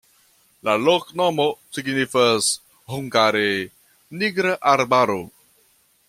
La loknomo signifas hungare: nigra-arbaro.